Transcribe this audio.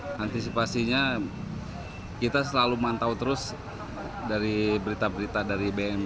jadi antisipasinya kita selalu mantau terus dari berita berita dari bmkb